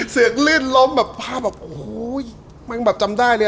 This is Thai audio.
เสียงลื่นล้มแบบภาพแบบโอ้โหมันแบบจำได้เลย